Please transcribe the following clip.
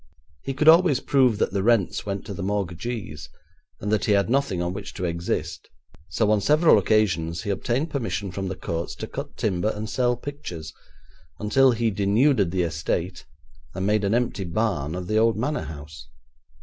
He could always prove that the rents went to the mortgagees, and that he had nothing on which to exist, so on several occasions he obtained permission from the courts to cut timber and sell pictures, until he denuded the estate and made an empty barn of the old manor house.